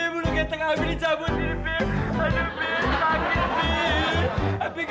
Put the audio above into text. mulu geteng abi dicabutin bi